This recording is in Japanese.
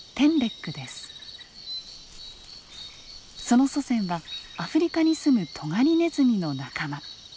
その祖先はアフリカに住むトガリネズミの仲間。